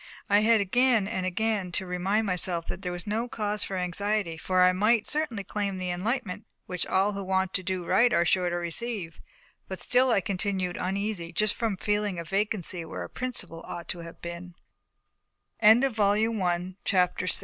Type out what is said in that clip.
I had again and again to remind myself that there was no cause for anxiety; for that I might certainly claim the enlightenment which all who want to do right are sure to receive; but still I continued uneasy just from feeling a vacancy where a principle ought to have been. CHAPT